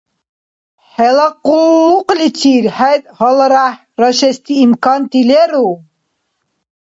ХӀела къуллукъличир хӀед гьаларяхӀ рашести имканти леру?